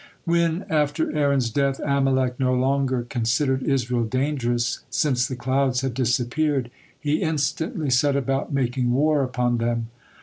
When, after Aaron's death, Amalek no longer considered Israel dangerous, since the clouds had disappeared, he instantly set about making war upon them.